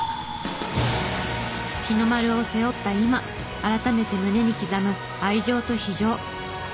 日の丸を背負った今改めて胸に刻む愛情と非情。